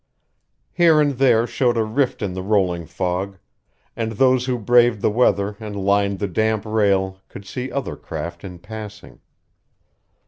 Here and there showed a rift in the rolling fog, and those who braved the weather and lined the damp rail could see other craft in passing.